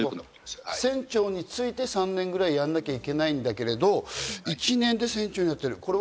船長について３年ぐらいやんなきゃいけないんだけど、１年で船長になっている。